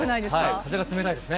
風が冷たいですね。